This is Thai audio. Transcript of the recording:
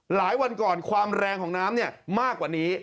หลายวันก่อนความแรงของน้ำเนี่ยมากกว่านี้